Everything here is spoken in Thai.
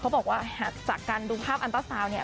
เขาบอกว่าจากการดูภาพอันตราสาวเนี่ย